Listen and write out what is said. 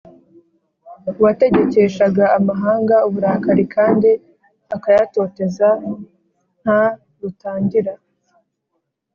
Uwategekeshaga amahanga uburakari kandi akayatoteza nta rutangira